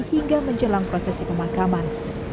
hingga menjelang prosesi pemakaman